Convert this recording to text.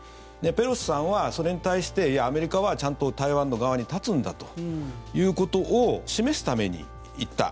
ペロシさんはそれに対していや、アメリカはちゃんと台湾の側に立つんだということを示すために行った。